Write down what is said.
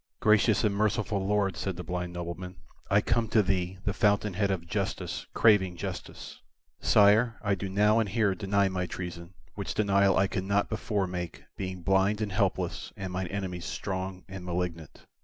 "Gracious and merciful Lord," said the blind nobleman, "I come to thee, the fountain head of justice, craving justice. Sire, I do now and here deny my treason, which denial I could not before make, being blind and helpless, and mine enemies strong and malignant.